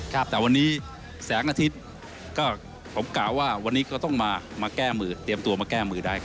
แต่วันนี้แสงอาทิตย์ก็ผมกล่าวว่าวันนี้ก็ต้องมาแก้มือเตรียมตัวมาแก้มือได้ครับ